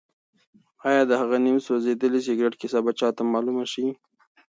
ایا د هغه نیم سوځېدلي سګرټ کیسه به چا ته معلومه شي؟